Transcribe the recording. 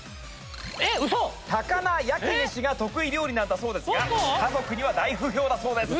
「高菜焼き飯が得意料理なんだそうですが家族には大不評だそうです」